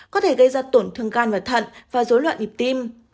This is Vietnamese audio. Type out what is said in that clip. có thể gây ra tổn thương gan và thận và dối loạn nhịp tim